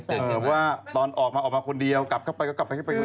สงสัยคือว่าตอนออกมาออกมาคนเดียวกลับเข้าไปก็กลับไปคนเดียว